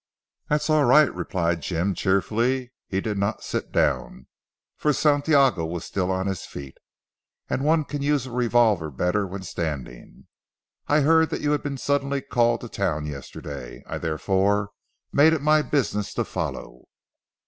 "That's all right," replied Jim cheerfully. He did not sit down, for Santiago was still on his feet. And one can use a revolver better when standing. "I heard that you had been suddenly called to Town yesterday. I therefore made it my business to follow."